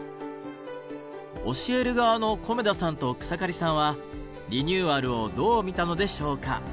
教える側の米田さんと草刈さんはリニューアルをどう見たのでしょうか？